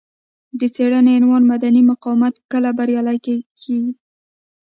د څېړنې عنوان مدني مقاومت کله بریالی کیږي دی.